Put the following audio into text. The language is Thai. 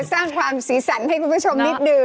สร้างความสีสันให้คุณผู้ชมนิดหนึ่ง